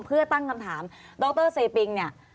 เพื่อตั้งคำถามดรเซปิงเนี่ย